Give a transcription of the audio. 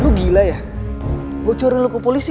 lu gila ya gua curi lu ke polisi